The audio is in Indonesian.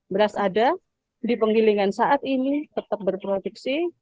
beras ada di penggilingan saat ini tetap berproduksi